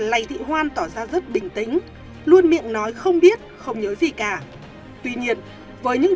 lầy thị hoan tỏ ra rất bình tĩnh luôn miệng nói không biết không nhớ gì cả tuy nhiên với những